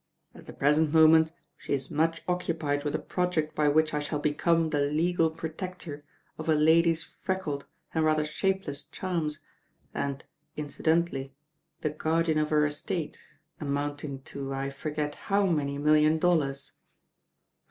"At the present moment she is much occupied with a project by which I shall become the legal pro tector of a lady's freckled and rather shapeless charms and, incidentally, the guardian of her estate, amounting to I forget how many million dollars."